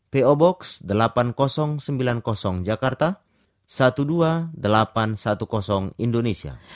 po box delapan ribu sembilan puluh jakarta dua belas ribu delapan ratus sepuluh indonesia